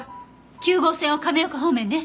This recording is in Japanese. ９号線を亀岡方面ね。